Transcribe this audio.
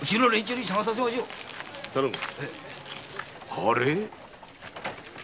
あれ？